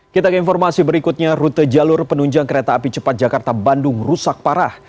kita ke informasi berikutnya rute jalur penunjang kereta api cepat jakarta bandung rusak parah